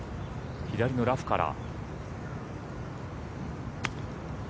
左のラフから。